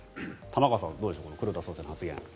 玉川さんはどうでしょうか黒田総裁の発言。